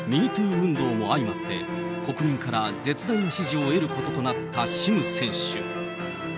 運動も相まって、国民から絶大な支持を得ることとなったシム選手。